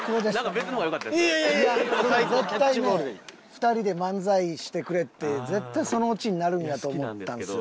２人で漫才してくれって絶対そのオチになるんやと思ったんですよ。